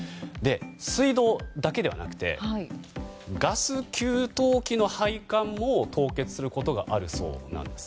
水道だけではなくてガス給湯器の配管も凍結することがあるそうです。